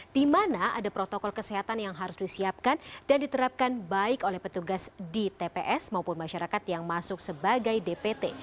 di mana ada protokol kesehatan yang harus disiapkan dan diterapkan baik oleh petugas di tps maupun masyarakat yang masuk sebagai dpt